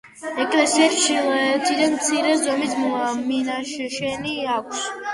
ეკლესიას ჩრდილოეთიდან მცირე ზომის მინაშენი აქვს.